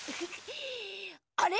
あれ？